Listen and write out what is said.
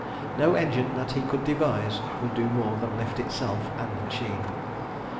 No engine that he could devise would do more than lift itself and the machine.